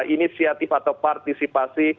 inisiatif atau partisipasi